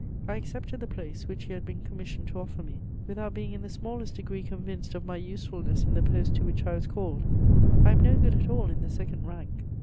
I accepted the place which he had been commissioned to offer me, without being in the smallest degree convinced of my usefulness in the post to which I was called: I am no good at all in the second rank.